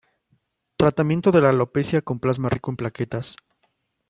Tratamiento de la alopecia con Plasma Rico en Plaquetas